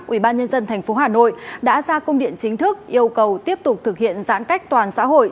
ubnd tp hà nội đã ra công điện chính thức yêu cầu tiếp tục thực hiện giãn cách toàn xã hội